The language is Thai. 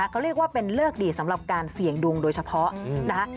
เขาเรียกว่าเป็นเลิกดีสำหรับการเสี่ยงดวงโดยเฉพาะนะคะ